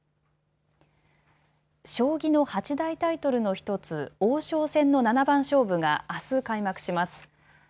将棋の八大タイトルの１つ、王将戦の七番勝負があす開幕します。